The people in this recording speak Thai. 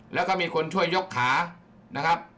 แล้วก็มีคนช่วยยกขานะครับ